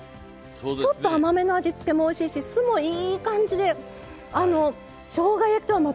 ちょっと甘めの味付けもおいしいし酢もいい感じでしょうが焼きとはまた全然違うおいしさ。